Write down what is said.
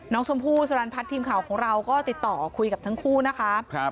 น้องชมพู่สรรพัฒน์ทีมข่าวของเราก็ติดต่อคุยกับทั้งคู่นะคะ